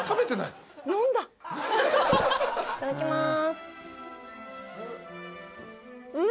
いただきます。